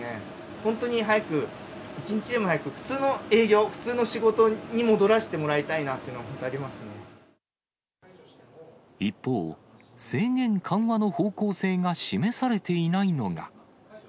本当に早く一日でも早く、普通の営業、普通の仕事に戻らせてもらいたいなというのが、一方、制限緩和の方向性が示されていないのが。